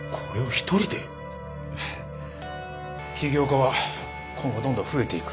起業家は今後どんどん増えていく。